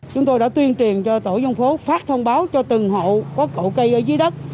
chúng tôi đã tuyên truyền cho tổ dân phố phát thông báo cho từng hộ có cậu cây ở dưới đất